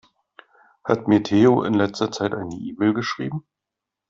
Hat mir Theo in letzter Zeit eine E-Mail geschrieben?